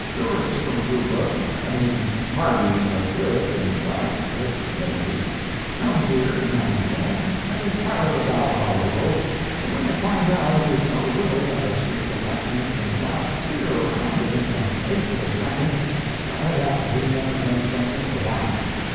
Tourists from Goobra (I mean parties that lived and died there—natives) come here, now and then, and inquire about our world, and when they find out it is so little that a streak of lightning can flash clear around it in the eighth of a second, they have to lean up against something to laugh.